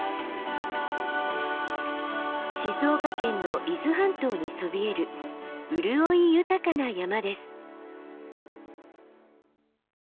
静岡県の伊豆半島にそびえる潤い豊かな山です。